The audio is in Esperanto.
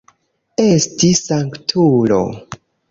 Esti sanktulo!